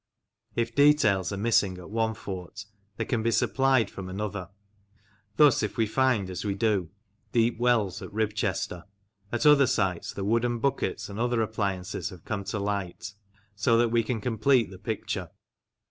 If details are missing at one fort, they can be supplied from another. Thus if we find, as we do, deep wells at Ribchester, at other sites the wooden buckets and other appliances have come to light, so that we can complete the picture.